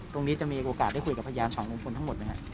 จะมีโอกาสได้คุยกับพยานฝั่งลุงพลทั้งหมดไหมครับ